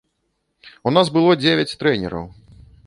У нас было дзевяць трэнераў.